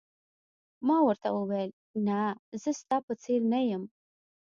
ما ورته وویل: نه، زه ستا په څېر نه یم.